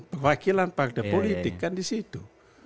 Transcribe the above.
perwakilan partai politik kan di situ